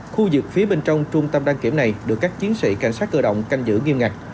khu vực phía bên trong trung tâm đăng kiểm này được các chiến sĩ cảnh sát cơ động canh giữ nghiêm ngặt